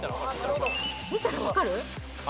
見たら分かる？